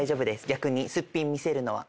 逆にすっぴん見せるのは。